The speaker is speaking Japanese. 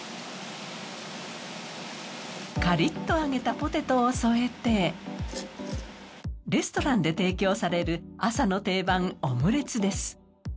カリッと揚げたポテトを添えてレストランで提供される朝の定番、オムレツです。